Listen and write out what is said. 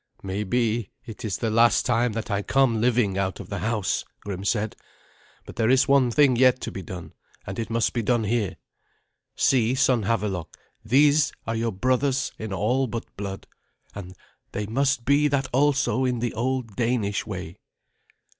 "Maybe it is the last time that I come living out of the house," Grim said; "but there is one thing yet to be done, and it must be done here. See, son Havelok, these are your brothers in all but blood, and they must be that also in the old Danish way."